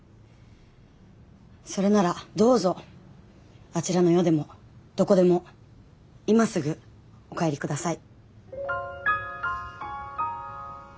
それならどうぞあちらの世でもどこでも今すぐお帰り下さい。